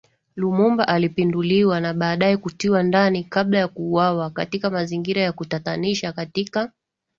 Lumumba alipinduliwa na baadaye kutiwa ndani kabla ya kuuawa katika mazingira ya kutatanisha katika